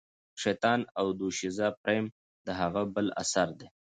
شیطان او دوشیزه پریم د هغه بل اثر دی.